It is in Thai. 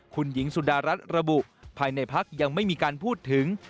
คุณหญิงสุดารัฐระบุภายในพักยังไม่มีการพูดถึง